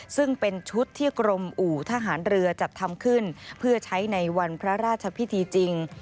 ซึ่งเป็นชุดที่กรมอู่ทหารเรือจัดทำขึ้นเพื่อใช้ในวันพระราชพิธีจริง